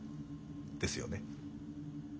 ですよね？